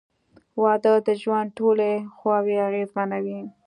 • واده د ژوند ټولې خواوې اغېزمنوي.